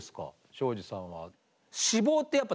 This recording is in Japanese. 庄司さんは。